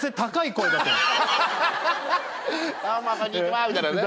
「どうもこんにちは」みたいなね。